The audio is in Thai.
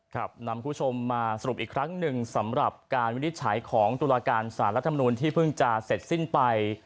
นำผู้ชมมาสรุปอีกครั้งหนึ่งสำหรับการวินิจฉัยของตุลาการสารรัฐมนูลที่เพิ่งจะเสร็จสิ้นไป